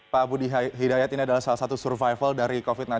pak budi hidayat ini adalah salah satu survival dari covid sembilan belas